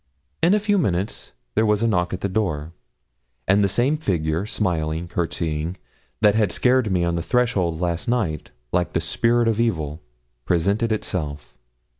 In a few minutes there was a knock at the door, and the same figure, smiling, courtesying, that had scared me on the threshold last night, like the spirit of evil, presented itself.